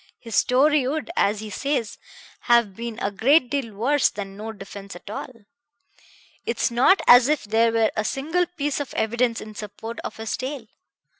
His story would, as he says, have been a great deal worse than no defense at all. It's not as if there were a single piece of evidence in support of his tale.